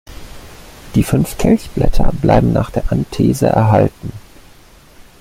Die fünf Kelchblätter bleiben nach der Anthese erhalten.